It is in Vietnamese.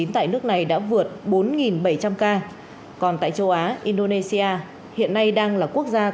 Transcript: tại nước này đã vượt bốn bảy trăm linh ca còn tại châu á indonesia hiện nay đang là quốc gia